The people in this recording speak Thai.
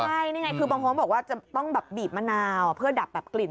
ใช่นี่ไงคือบางคนบอกว่าจะต้องแบบบีบมะนาวเพื่อดับแบบกลิ่น